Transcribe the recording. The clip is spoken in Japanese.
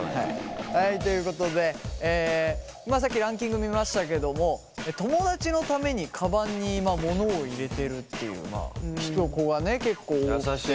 はいということでまあさっきランキング見ましたけども友だちのためにカバンに今物を入れてるっていう子が結構多くて。